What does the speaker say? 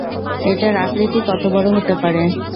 এটার আকৃতি কত বড় হতে পারে?